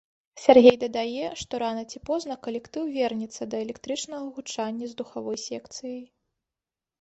Сяргей дадае, што рана ці позна калектыў вернецца да электрычнага гучання з духавой секцыяй.